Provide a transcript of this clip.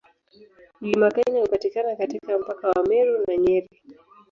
Mlima Kenya hupatikana katika mpaka wa Meru na Nyeri.